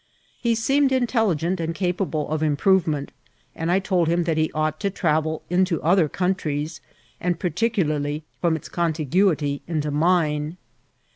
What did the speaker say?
He seemed intelligent and capable o( improTcment, and I told him that he ought to trav* el into other countries, and particularly, firosn its con* tiguity, into mine.